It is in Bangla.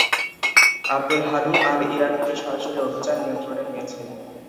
আবদুল হাদী আল-ইরাকিকে সরাসরি অভিযান নিয়ন্ত্রণে নিয়েছে।